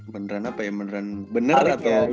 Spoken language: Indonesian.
beneran apa ya bener atau engga gitu kan